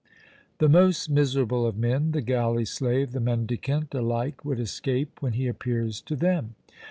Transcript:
The most miserable of men, the galley slave, the mendicant, alike would escape when he appears to them.